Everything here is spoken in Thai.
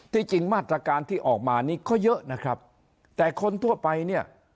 จริงมาตรการที่ออกมานี้ก็เยอะนะครับแต่คนทั่วไปเนี่ย